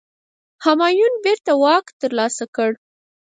همایون بیرته واک ترلاسه کړ.